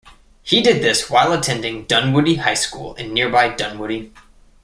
He did this while attending Dunwoody High School in nearby Dunwoody.